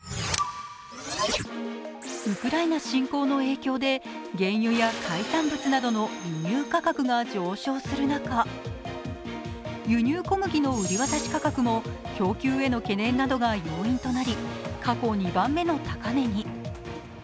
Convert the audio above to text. ウクライナ侵攻の影響で原油や原油や海産物などの輸入価格が上昇する中輸入小麦の売渡価格も供給への懸念などが要因となり過去２番目の高値に。